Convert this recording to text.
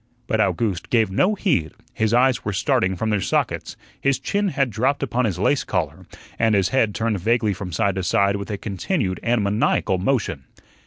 But Owgooste gave no heed; his eyes were starting from their sockets, his chin had dropped upon his lace collar, and his head turned vaguely from side to side with a continued and maniacal motion.